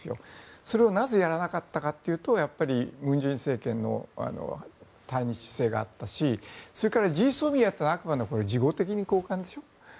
それをなぜやらなかったかというと文在寅政権の対日姿勢があったしそれからＧＳＯＭＩＡというのはあくまで事後的に交換でしょ。